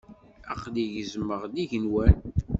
Aqli gezmeɣ-d igenwan.